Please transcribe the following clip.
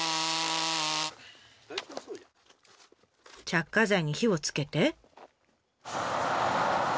着火剤に火をつけて。